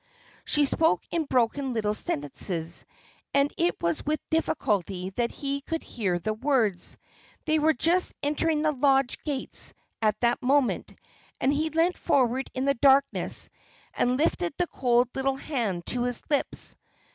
She spoke in broken little sentences, and it was with difficulty that he could hear the words; they were just entering the Lodge gates at that moment, and he leant forward in the darkness and lifted the cold little hand to his lips.